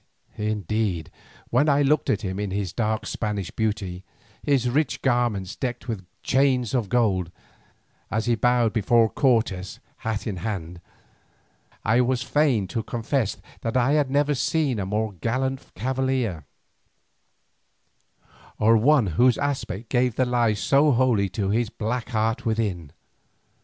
Indeed, when I looked at him in his dark Spanish beauty, his rich garments decked with chains of gold, as he bowed before Cortes hat in hand, I was fain to confess that I had never seen a more gallant cavalier, or one whose aspect gave the lie so wholly to the black heart within.